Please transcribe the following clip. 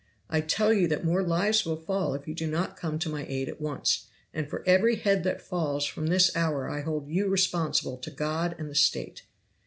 I tell you that more lives will fall if you do not come to my aid at once! and for every head that falls from this hour I hold you responsible to God and the State.